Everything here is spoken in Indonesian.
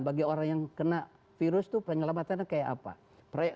bagi orang yang kena virus tuh penyelamatan kayak apa